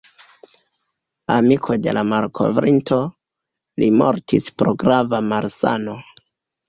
Amiko de la malkovrinto, li mortis pro grava malsano.